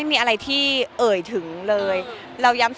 เนื้อหาดีกว่าน่ะเนื้อหาดีกว่าน่ะ